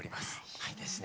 いいですね。